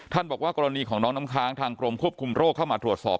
บอกว่ากรณีของน้องน้ำค้างทางกรมควบคุมโรคเข้ามาตรวจสอบ